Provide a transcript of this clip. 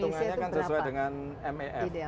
itu kemarin itungannya kan sesuai dengan mef